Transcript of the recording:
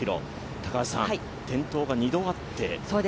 高橋さん、転倒が２度あって。